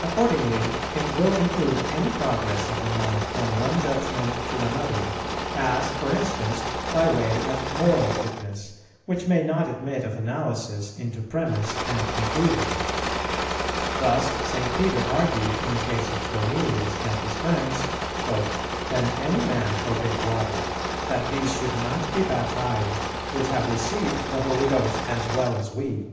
Accordingly it will include any progress of the mind from one judgment to another, as, for instance, by way of moral fitness, which may not admit of analysis into premiss and conclusion. Thus St. Peter argued in the case of Cornelius and his friends, "Can any man forbid water that these should not be baptized, which have received the Holy Ghost as well as we?"